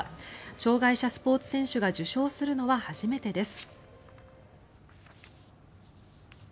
障害者スポーツ選手が受賞するのは初めてです。